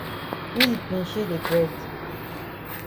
Yi di pinchay de bread.